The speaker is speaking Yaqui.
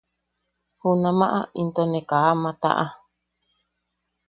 Junamaʼa into ne kaa ama taʼa.